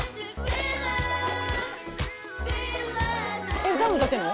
え歌も歌ってんの？